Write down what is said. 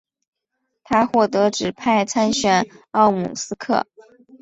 他获得指派参选奥姆斯克。